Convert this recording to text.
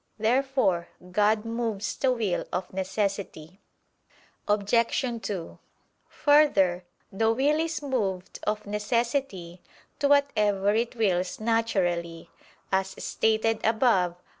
Therefore God moves the will of necessity. Obj. 2: Further, the will is moved of necessity to whatever it wills naturally, as stated above (A.